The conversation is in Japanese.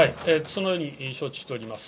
そのように承知をしております。